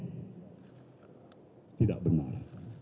ini tidak benar